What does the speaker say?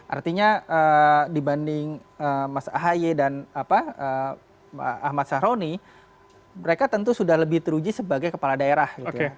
artinya dibanding mas ahaye dan ahmad syaroni mereka tentu sudah lebih teruji sebagai kepala daerah gitu ya